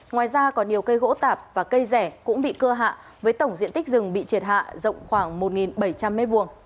ngoài ra còn nhiều cây gỗ tạp và cây rẻ cũng bị cưa hạ với tổng diện tích rừng bị triệt hạ rộng khoảng một bảy trăm linh m hai